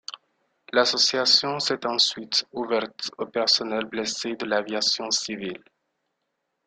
L'association s'est ensuite ouverte aux personnels blessés de l'aviation civile.